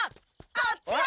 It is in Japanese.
あっちだ！